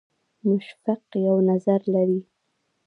مشفق یو نظر لري.